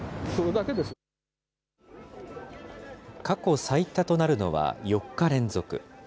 過去最多となるのは４日連続。